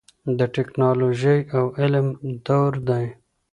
د ټیکنالوژۍ او علم دور دی.